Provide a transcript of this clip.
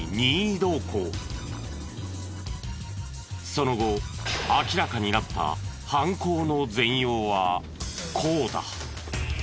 その後明らかになった犯行の全容はこうだ。